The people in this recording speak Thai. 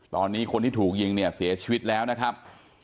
ตอนนี้คนที่ถูกยิงเนี่ยเสียชีวิตแล้วนะครับ